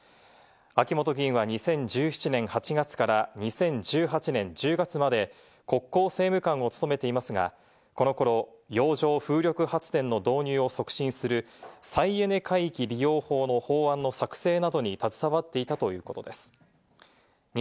秋本議員は２０１７年８月から２０１８年１０月まで国交政務官を勤めていますが、この頃、洋上風力発電の導入を促進する、再エネ海域利用法の法案の作成などに携わっていたということです。